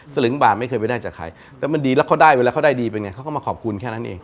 สลึงบาทไม่เคยไปได้จากใครแต่มันดีแล้วเขาได้เวลาเขาได้ดีเป็นไงเขาก็มาขอบคุณแค่นั้นเอง